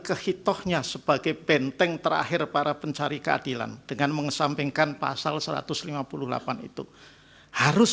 kehitohnya sebagai benteng terakhir para pencari keadilan dengan mengesampingkan pasal satu ratus lima puluh delapan itu harus